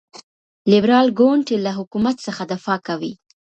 لیبرال ګوند له حکومت څخه دفاع کوي.